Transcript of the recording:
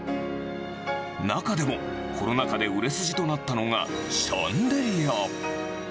中でも、コロナ禍で売れ筋となったのがシャンデリア。